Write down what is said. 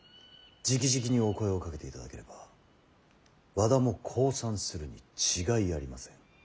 じきじきにお声をかけていただければ和田も降参するに違いありません。